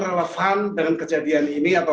relevan dengan kejadian ini atau